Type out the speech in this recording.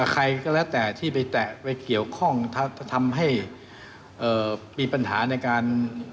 ใครก็แล้วแต่ที่ไปแตะไปเกี่ยวข้องจะทำให้มีปัญหาในการ